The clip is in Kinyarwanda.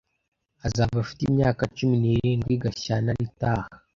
Azaba afite imyaka cumi n'irindwi Gashyantare itaha.